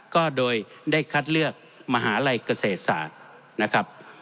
ก็โดยได้คัดเลือกมหาลัยเกษตรศาสตร์นะครับ